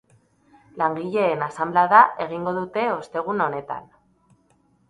Langileen asanblada egingo dute ostegun honetan.